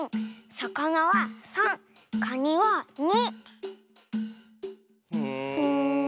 「さ・か・な」は３で「か・に」は２。